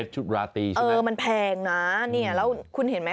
ใช่